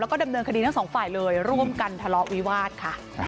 ก็ไม่มีอะไรหรอกครับ